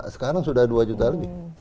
sekarang sudah dua juta lebih